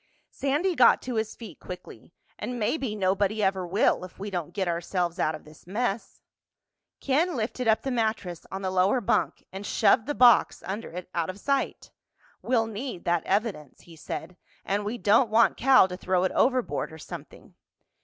Sandy got to his feet quickly. "And maybe nobody ever will, if we don't get ourselves out of this mess." Ken lifted up the mattress on the lower bunk and shoved the box under it out of sight. "We'll need that evidence," he said, "and we don't want Cal to throw it overboard or something."